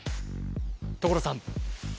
所さん！